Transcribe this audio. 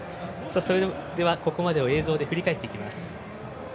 それではここまでを映像で振り返っていきます。